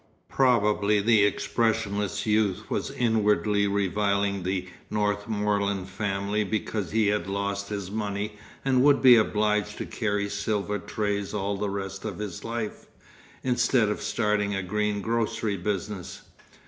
Probably the expressionless youth was inwardly reviling the Northmorland family because he had lost his money and would be obliged to carry silver trays all the rest of his life, instead of starting a green grocery business.